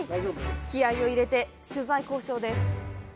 気合いを入れて取材交渉です